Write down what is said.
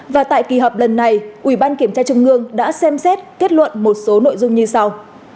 và tại kỳ họp lần này ủy ban kiểm tra trung ương đã xem xét kết luận một số nội dung như sau